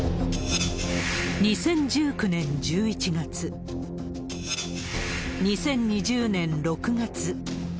２０１９年１１月、２０２０年６月。